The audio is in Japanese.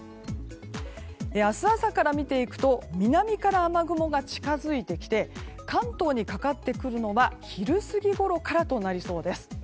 明日朝から見ていくと南から雨雲が近づいてきて関東にかかってくるのは昼過ぎごろからとなりそうです。